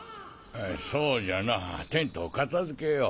そうじゃなテントを片付けよう。